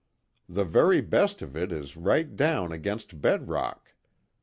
The very best of it is right down against bed rock.